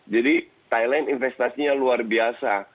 jadi thailand investasinya luar biasa